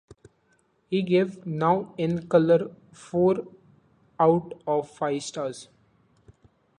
He gave "Now in Color" four out of five stars.